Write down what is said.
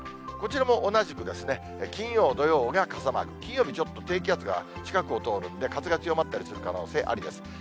こちらも同じく金曜、土曜が傘マーク、金曜日ちょっと低気圧が近くを通るんで、風が強まったりする可能性がありです。